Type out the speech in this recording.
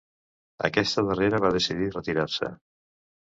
Aquesta darrera va decidir retirar-se.